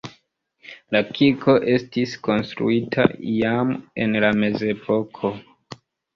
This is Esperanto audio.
La kirko estis konstruita iam en la mezepoko.